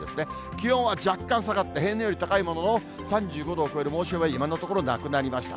気温は若干下がって平年より高いものの、３５度を超える猛暑日は今のところなくなりました。